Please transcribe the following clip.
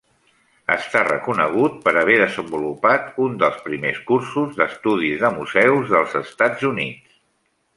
Està reconegut per haver desenvolupat un dels primers curos d'estudis de museus dels Estats Units.